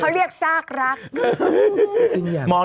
ก็ไม่ได้รักอ่า